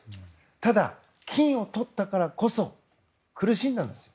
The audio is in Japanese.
ただ、金をとったからこそ苦しんだんですよ。